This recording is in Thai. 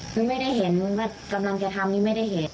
คือไม่ได้เห็นว่ากำลังจะทำนี่ไม่ได้เห็น